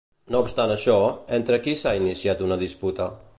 No obstant això, entre qui s'ha iniciat una disputa?